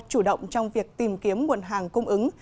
chủ động trong việc tìm kiếm nguồn hàng cung ứng